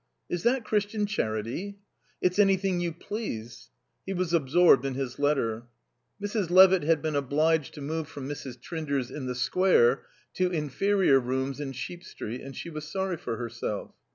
"Is that Christian charity?" "It's anything you please." He was absorbed in his letter. Mrs. Levitt had been obliged to move from Mrs. Trinder's in the Square to inferior rooms in Sheep Street, and she was sorry for herself.